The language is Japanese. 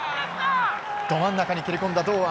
ど真ん中に切り込んだ堂安。